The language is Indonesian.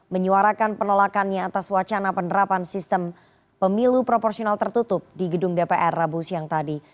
menyuarakan penolakannya atas wacana penerapan sistem pemilu proporsional tertutup di gedung dpr rabu siang tadi